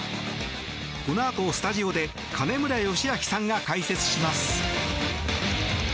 このあとスタジオで金村義明さんが解説します。